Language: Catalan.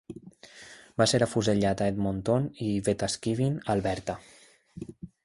Va ser afusellat a Edmonton i Wetaskiwin, Alberta.